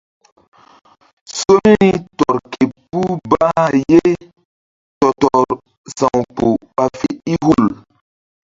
Somiri tɔr ke puh bah ye tɔ-tɔrsa̧wkpuh ɓa fe i hul.